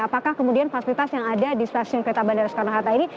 apakah kemudian fasilitas yang ada di stasiun kereta bandara soekarno hatta ini